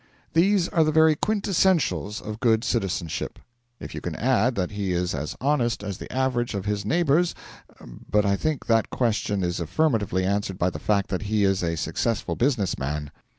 These are the very quintessentials of good citizenship. If you can add that he is as honest as the average of his neighbours But I think that question is affirmatively answered by the fact that he is a successful business man.